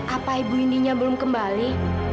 apa ibu ininya belum kembali